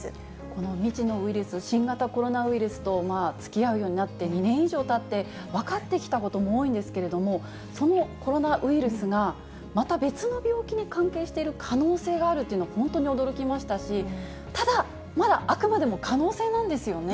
この未知のウイルス、新型コロナウイルスとつきあうようになって２年以上たって、分かってきたことも多いんですけれども、そのコロナウイルスが、また別の病気に関係している可能性があるというのは本当に驚きましたし、ただ、まだあくまでも可能性なんですよね。